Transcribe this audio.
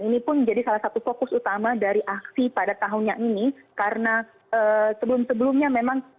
ini pun menjadi salah satu fokus utama dari aksi pada tahun yang ini karena sebelum sebelumnya memang